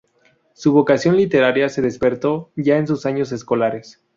Su vocación literaria se despertó ya en sus años escolares.